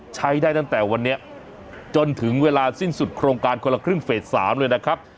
ใช้ได้ตั้งแต่วันนี้จนถึงเวลาสิ้นสุดโครงการคนละครึ่งเฟส๓เลยนะครับ